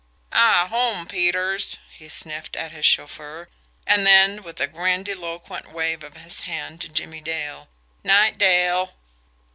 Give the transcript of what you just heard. "Ah home, Peters," he sniffed at his chauffeur; and then, with a grandiloquent wave of his hand to Jimmie Dale: "'Night, Dale."